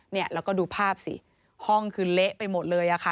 เนี่ยแล้วก็ดูภาพสิห้องคือเละไปหมดเลยอะค่ะ